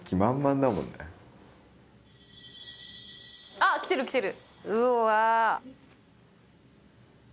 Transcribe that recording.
あっきてるきてる。